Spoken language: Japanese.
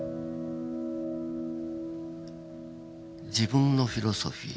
自分のフィロソフィー。